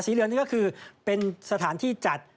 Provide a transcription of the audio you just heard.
เหลืองนี่ก็คือเป็นสถานที่จัด